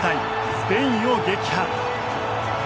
スペインを撃破。